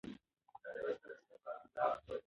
هر فرد له ځانګړي شخصیت څخه برخمن دی.